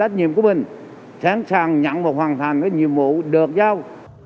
tác nhiệm của mình sẵn sàng nhận và hoàn thành nhiệm vụ được giao